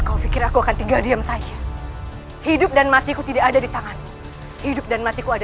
kau pikir aku akan tinggal diam saja hidup dan matiku tidak ada di tangan hidup dan matiku ada